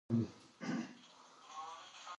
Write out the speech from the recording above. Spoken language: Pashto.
ډېر کم خلک تر خپل مرګ مخکي خپل ځان مومي.